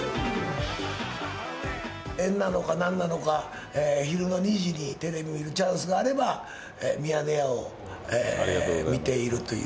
縁なのかなんなのか、昼の２時にテレビ見るチャンスがあれば、ミヤネ屋を見ているという。